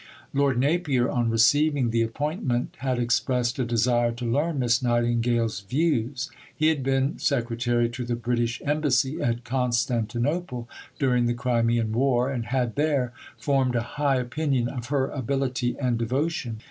Lord Napier, on receiving the appointment, had expressed a desire to learn Miss Nightingale's views. He had been secretary to the British Embassy at Constantinople during the Crimean War, and had there formed a high opinion of her ability and devotion.